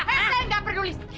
hei saya gak peduli